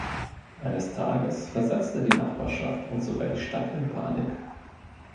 Eines Tages versetzt er die Nachbarschaft und sogar die Stadt in Panik.